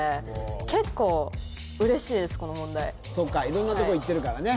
色んなとこ行ってるからね